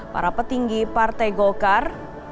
para petinggi partai golkar